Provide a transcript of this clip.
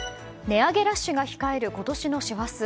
値上げラッシュが控える今年の師走。